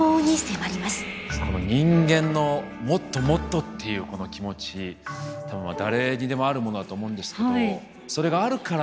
この人間の「もっともっと」っていうこの気持ち多分誰にでもあるものだと思うんですけどそれがあるから僕たち